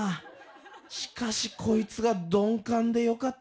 しかしこいつが鈍感でよかった。